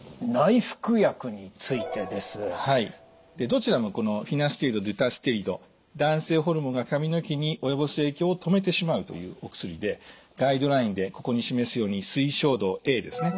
どちらもこのフィナステリドデュタステリド男性ホルモンが髪の毛に及ぼす影響を止めてしまうというお薬でガイドラインでここに示すように推奨度Ａですね。